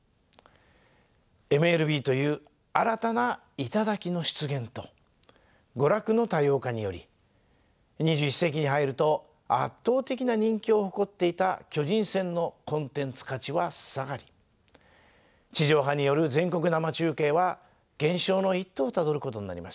ＭＬＢという新たな頂の出現と娯楽の多様化により２１世紀に入ると圧倒的な人気を誇っていた巨人戦のコンテンツ価値は下がり地上波による全国生中継は減少の一途をたどることになりました。